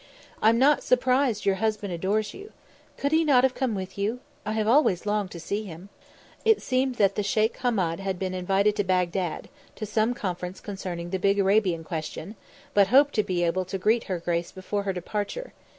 "I'm not surprised your husband adores you. Could he not have come with you? I have always longed to see him." It seemed that the Sheikh Hahmed had been invited to Bagdad, to some conference concerning the big Arabian question, but hoped to be able to greet her grace before her departure.